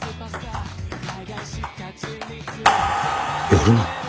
やるな。